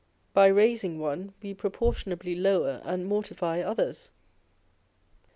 By raising one, we proportionably lower and mortify others.